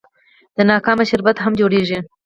د ناک شربت هم جوړیږي.